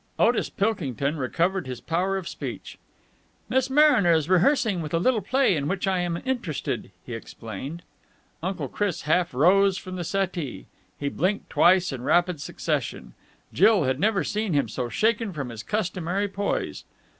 Otis Pilkington recovered his power of speech. "Miss Mariner is rehearsing with a little play in which I am interested," he explained. Uncle Chris half rose from the settee. He blinked twice in rapid succession. Jill had never seen him so shaken from his customary poise.